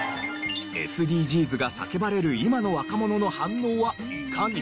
ＳＤＧｓが叫ばれる今の若者の反応はいかに？